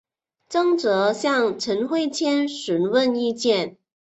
张则向陈惠谦询问意见。